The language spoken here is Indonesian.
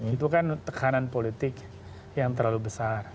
itu kan tekanan politik yang terlalu besar